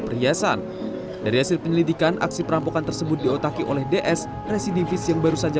perhiasan dari hasil penyelidikan aksi perampokan tersebut diotaki oleh ds residivis yang baru saja